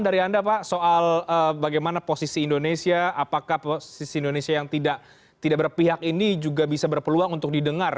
dari anda pak soal bagaimana posisi indonesia apakah posisi indonesia yang tidak berpihak ini juga bisa berpeluang untuk didengar